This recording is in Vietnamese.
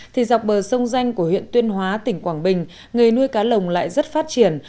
thì dọc bờ sông danh của huyện tuyên hóa tỉnh quảng bình nghề nuôi cá lồng lại rất phát triển